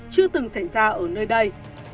chưa từng xảy ra ở nơi đây